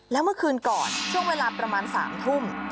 แล้วเมื่อคืนก่อนช่วงเวลาประมาณ๓ทุ่ม